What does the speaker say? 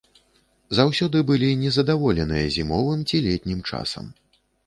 Заўсёды былі незадаволеныя зімовым ці летнім часам.